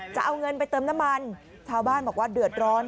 จะเอาเงินไปเติมน้ำมันชาวบ้านบอกว่าเดือดร้อน